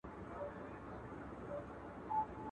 نه د ښو درک معلوم دی نه په بدو څوک شرمیږي.